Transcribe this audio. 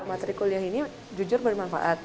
materi kuliah ini jujur bermanfaat